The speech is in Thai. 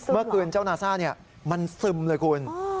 เมื่อคืนเจ้านาซ่ามันซึมเลยคุณ